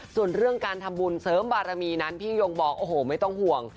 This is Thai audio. ส่วนเรื่องการทำบุญเสริมบารมีนั้นพี่ยงบอกโอ้โหไม่ต้องห่วง